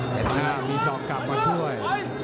มีศอกกลับมาช่วย